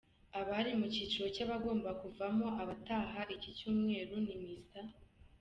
Abari mu cyiciro cy’abagomba kuzavamo abataha iki Cyumweru ni: Mr.